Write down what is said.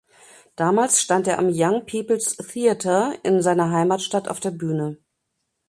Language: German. Damals stand er am Young People’s Theatre in seiner Heimatstadt auf der Bühne.